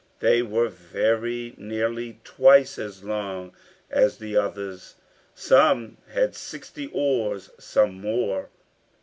They were very nearly twice as long as the others; some had sixty oars, some more.